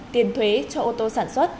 tiền thuế cho ô tô sản xuất